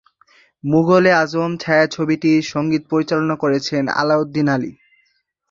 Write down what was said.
মোঘল-এ-আযম ছায়াছবিটির সঙ্গীত পরিচালনা করেছেন আলাউদ্দিন আলী।